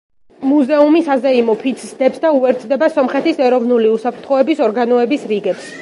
მუზეუმი საზეიმო ფიცს დებს და უერთდება სომხეთის ეროვნული უსაფრთხოების ორგანოების რიგებს.